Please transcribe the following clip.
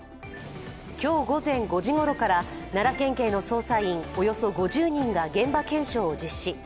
今日午前５時ごろから奈良県警の捜査員およそ５０人が現場検証を実施。